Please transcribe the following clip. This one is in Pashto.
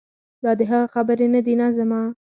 دا د هغه خبرې دي نه زما.